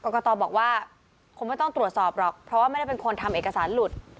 กตบอกว่าคงไม่ต้องตรวจสอบหรอกเพราะว่าไม่ได้เป็นคนทำเอกสารหลุด